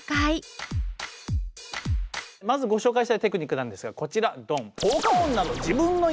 まずご紹介したいテクニックなんですがこちらドン！